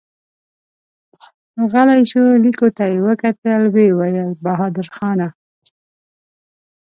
غلی شو، ليکو ته يې وکتل، ويې ويل: بهادرخانه!